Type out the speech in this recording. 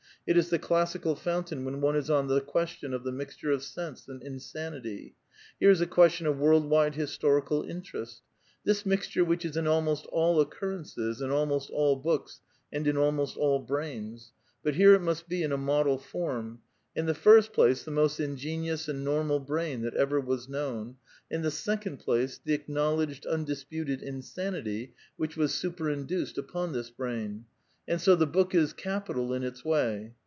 It is the classical fountain Q one is on the question of the mixture of sense and nity. Here is a question of world wide historical •est; this mixture which is in almost all occurren<»e8, in >st all books, and in almost all brains. But here it must 1 a model form : in the first place, the most ingenious and Qal brain that ever was known ; in the second place, the lowledged, undisputed insanity which was superinduced 1 this brain. And so the book is capital in its way.